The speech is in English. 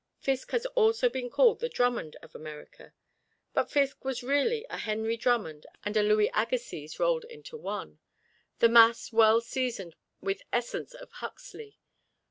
Fiske has also been called the Drummond of America, but Fiske was really a Henry Drummond and a Louis Agassiz rolled into one, the mass well seasoned with essence of Huxley.